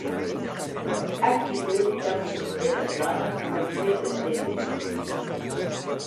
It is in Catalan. Actitud que menysté les dones pel fet de ser-ho.